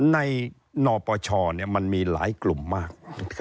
นปชมันมีหลายกลุ่มมาก